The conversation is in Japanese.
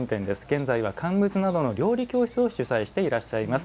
現在は乾物などの料理教室を主宰していらっしゃいます。